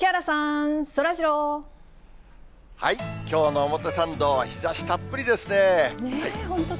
きょうの表参道は日ざしたっ本当だ。